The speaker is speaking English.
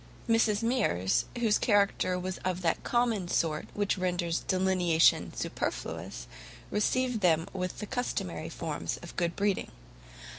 Mrs Mears, whose character was of that common sort which renders delineation superfluous, received them with the customary forms of good breeding.